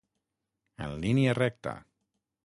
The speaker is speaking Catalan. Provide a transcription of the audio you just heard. En línia recta.